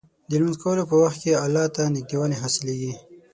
د لمونځ کولو په وخت کې الله ته نږدېوالی حاصلېږي.